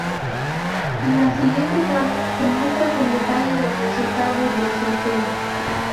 En la siguiente tabla, se muestra con detalle los resultados del sorteo.